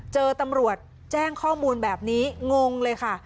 เจอตำรวจแจ้งข้อมูลแบบนี้งงเลยค่ะ